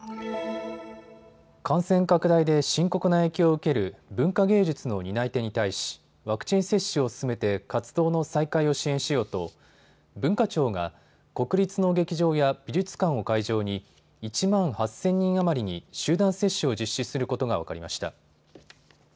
感染拡大で深刻な影響を受ける文化芸術の担い手に対しワクチン接種を進めて活動の再開を支援しようと文化庁が国立の劇場や美術館を会場に１万８０００人余りに集団接種を実施することが分かりました。